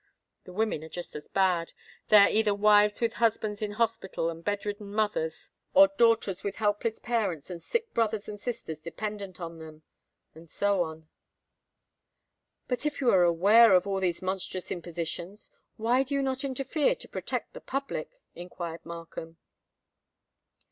The women are just as bad. They are either wives with husbands in hospitals and bed ridden mothers; or daughters with helpless parents and sick brothers and sisters dependent on them;—and so on." "But if you be aware of all these monstrous impositions, why do you not interfere to protect the public?" inquired Markham.